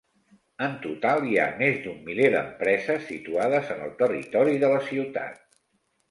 En total, hi ha més d'un miler d'empreses situades en el territori de la ciutat.